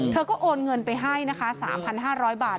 เธอก็โอนเงินไปให้นะคะ๓๕๐๐บาท